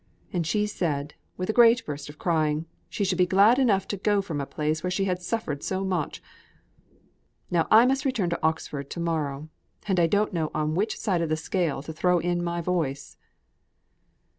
And she said, with a great burst of crying, she should be glad enough to go from a place where she had suffered so much. Now I must return to Oxford to morrow, and I don't know on which side of the scale to throw in my voice."